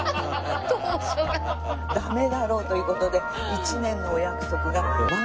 ダメだろうという事で１年のお約束が。